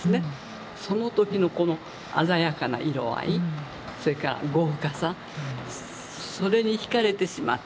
そのときのこの鮮やかな色合いそれから豪華さそれに惹かれてしまって。